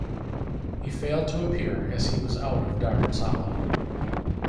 He failed to appear as he was out of Dharamsala.